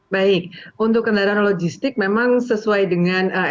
baik untuk kendaraan logistik memang sesuai dengan